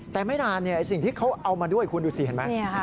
แต่ไม่นานสิ่งที่เขาเอามาด้วยคุณดูสิเห็นไหม